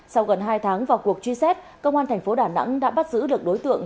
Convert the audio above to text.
sau gần hai tháng vào cuộc truy xét công an thành phố đà nẵng đã bắt giữ được đối tượng